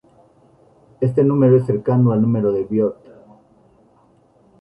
Este número es cercano al número de Biot.